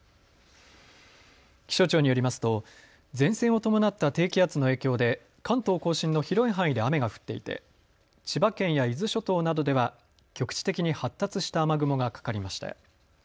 気象庁によりますと前線を伴った低気圧の影響で関東甲信の広い範囲で雨が降っていて千葉県や伊豆諸島などでは局地的に発達した雨雲がかかりました。